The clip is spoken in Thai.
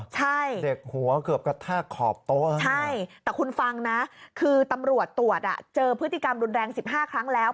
ใช่แต่คุณฟังนะคือตำรวจตรวจเจอพฤติกรรมรุนแรง๑๕ครั้งแล้ว